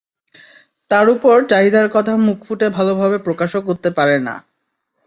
তার ওপর চাহিদার কথা মুখ ফুটে ভালোভাবে প্রকাশও করতে পারে না।